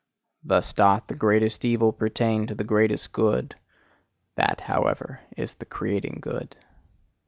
Thus doth the greatest evil pertain to the greatest good: that, however, is the creating good.